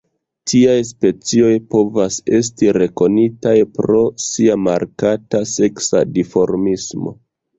Tiaj specioj povas esti rekonitaj pro sia markata seksa dimorfismo.